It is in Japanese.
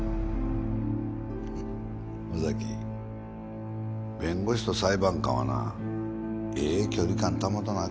フッ尾崎弁護士と裁判官はなええ距離感保たなあ